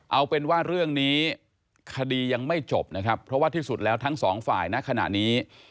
เอาเป็นว่าเรื่องนี้คดียังไม่จบนะครับเพราะว่าที่สุดแล้วทั้งสองฝ่ายนะขณะนี้